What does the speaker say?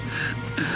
ああ。